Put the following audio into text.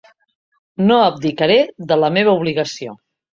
No abdicaré de la meva obligació